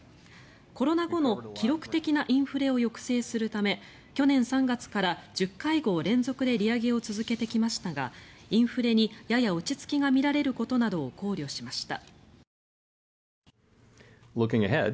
コロナ後の記録的なインフレを抑制するため去年３月から１０会合連続で利上げを続けてきましたがインフレに、やや落ち着きが見られることなどを考慮しました。